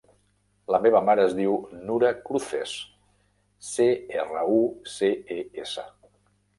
La meva mare es diu Nura Cruces: ce, erra, u, ce, e, essa.